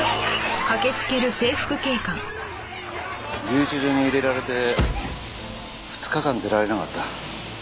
留置場に入れられて２日間出られなかった。